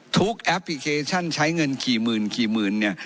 แอปพลิเคชันใช้เงินกี่หมื่นกี่หมื่นเนี่ย